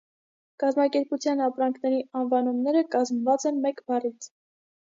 Կազմակերպության ապրանքների անվանումները կազմված են մեկ բառից։